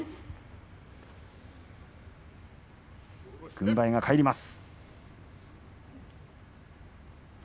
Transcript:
軍配が返ります。